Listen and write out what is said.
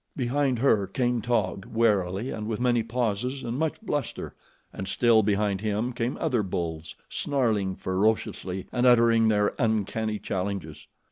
Behind her came Taug, warily and with many pauses and much bluster, and still behind him came other bulls, snarling ferociously and uttering their uncanny challenges.